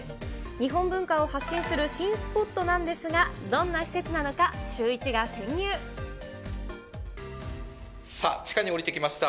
日本文化を発信する新スポットなんですが、どんな施設なのか、さあ、地下に降りてきました。